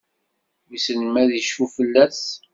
Wissen ma ad icfu fell-as?